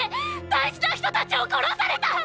大事な人たちを殺された！！